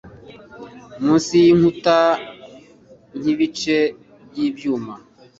munsi yinkuta nkibice byibyuma